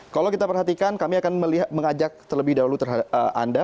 kalau kita perhatikan kami akan mengajak terlebih dahulu anda